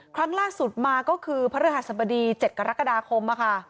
ครั้งล่าสุดมาก็คือพระฤหัสบดี๗กรกฎาคม